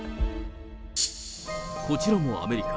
こちらもアメリカ。